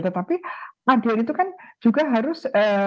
tetapi adian itu kan juga harus